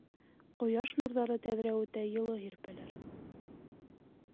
Ҡояш нурҙары тәҙрә үтә йылы һирпәләр.